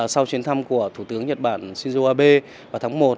sau chuyến thăm của thủ tướng nhật bản shinzo abe vào tháng một